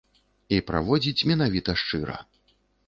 І праводзіць менавіта шчыра.